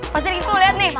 pak sri kitty lihat nih